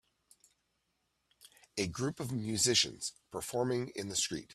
A group of musicians performing in the street